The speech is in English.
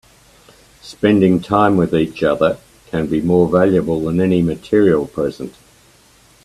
Spending time with each other can be more valuable than any material present.